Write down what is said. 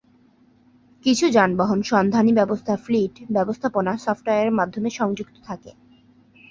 কিছু যানবাহন সন্ধানী ব্যবস্থা ফ্লিট ব্যবস্থাপনা সফটওয়্যারের মাধ্যমে সংযুক্ত থাকে।